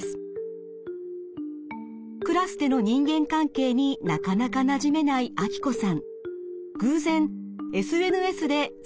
クラスでの人間関係になかなかなじめないアキコさん。